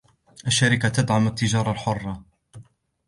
الشركة تدعم التجارة الحرة.